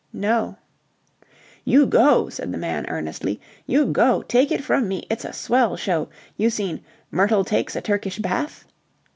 "No." "You go," said the man earnestly. "You go! Take it from me, it's a swell show. You seen 'Myrtle takes a Turkish Bath'?"